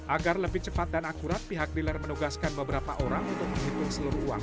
agar lebih cepat dan akurat pihak dealer menugaskan beberapa orang untuk menghitung seluruh uang